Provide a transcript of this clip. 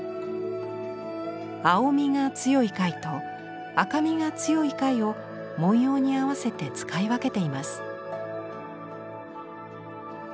青みが強い貝と赤みが強い貝を文様に合わせて使い分けています。